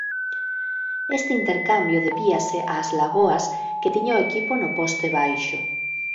Este intercambio debíase ás lagoas que tiña o equipo no poste baixo.